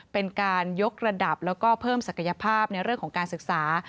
เป็นการยกระดับแล้วก็เพิ่มศักยภาพในเรื่องของการศึกษา